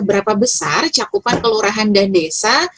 berapa besar cakupan kelurahan dan desa